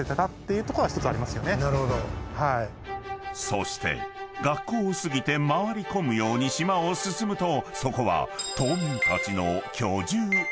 ［そして学校を過ぎて回り込むように島を進むとそこは島民たちの］